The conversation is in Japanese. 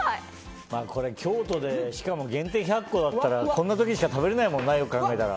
京都でしかも限定１００個だったらこんな時しか食べられないもんなよく考えたら。